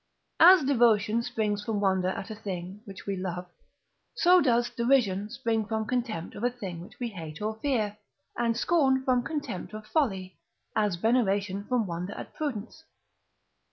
As devotion springs from wonder at a thing which we love, so does Derision spring from contempt of a thing which we hate or fear, and Scorn from contempt of folly, as veneration from wonder at prudence.